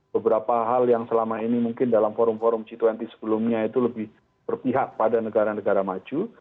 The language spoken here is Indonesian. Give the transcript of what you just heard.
beberapa hal yang selama ini mungkin dalam forum forum g dua puluh sebelumnya itu lebih berpihak pada negara negara maju